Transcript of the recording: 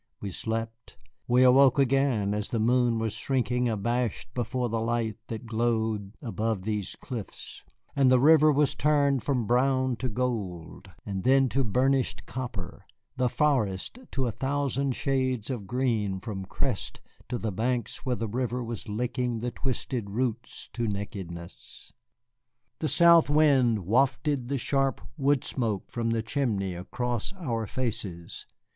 We slept. We awoke again as the moon was shrinking abashed before the light that glowed above these cliffs, and the river was turned from brown to gold and then to burnished copper, the forest to a thousand shades of green from crest to the banks where the river was licking the twisted roots to nakedness. The south wind wafted the sharp wood smoke from the chimney across our faces.